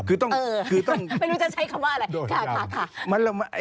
ไม่รู้จะใช้คำว่าอะไรโดนยำ